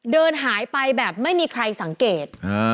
เดินหายไปแบบไม่มีใครสังเกต